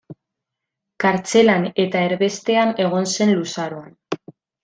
Kartzelan eta erbestean egon zen luzaroan.